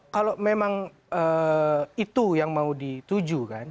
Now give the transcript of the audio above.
kalau memang itu yang mau dituju kan